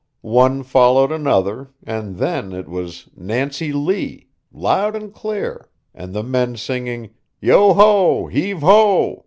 One followed another, and then it was "Nancy Lee," loud and clear, and the men singing "Yo ho, heave ho!"